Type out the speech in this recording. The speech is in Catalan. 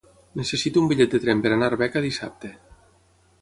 Necessito un bitllet de tren per anar a Arbeca dissabte.